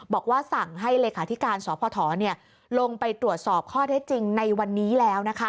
บอกว่าสั่งให้เลขาธิการสพลงไปตรวจสอบข้อเท็จจริงในวันนี้แล้ว